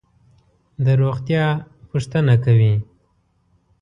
د روغتیا پوښتنه کوي.